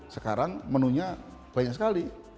sekarang menunya banyak sekali